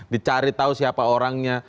dicaritau siapa orangnya